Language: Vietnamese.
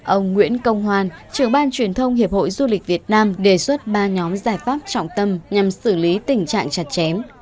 ông nguyễn công hoan trưởng ban truyền thông hiệp hội du lịch việt nam đề xuất ba nhóm giải pháp trọng tâm nhằm xử lý tình trạng chặt chém